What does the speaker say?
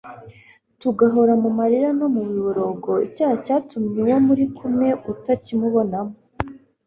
tugahora mu marira no mu miborogo.icyaha cyatumye uwo muri kumwe utakimubonamo